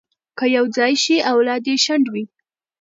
که یو ځای شي، اولاد یې شنډ وي.